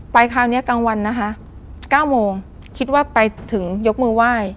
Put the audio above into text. คราวนี้กลางวันนะคะ๙โมงคิดว่าไปถึงยกมือไหว้